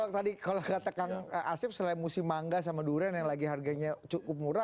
kalau tadi kalau kata kang asep selain musim mangga sama durian yang lagi harganya cukup murah